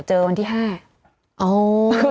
จากที่ตอนแรกอยู่ที่๑๐กว่าศพแล้ว